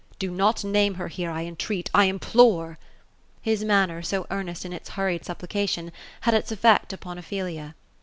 '* Do no^ name her here, I entreat, I implore " His manner, so earnest in its hurried supplication, had its effect upon Ophelia.